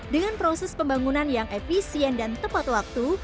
dengan proses pembangunan yang efisien dan tepat waktu